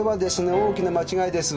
大きな間違いです。